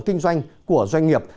kinh doanh của doanh nghiệp